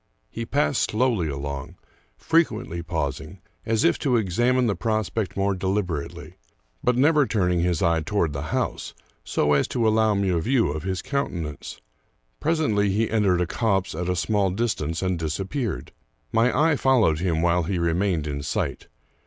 He passed slowly along, frequently pausing, as if to ex amine the prospect more deliberately, but never turning his eye toward the house, so as to allow me a view of his countenance. Presently he entered a copse at a small dis tance, and disappeared. My eye followed him while he remained in sight.